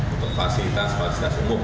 untuk fasilitas fasilitas unggulan